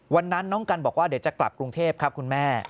วันนั้นน้องกันบอกว่าเดี๋ยวจะกลับกรุงเทพครับคุณแม่